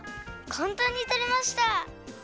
かんたんにとれました。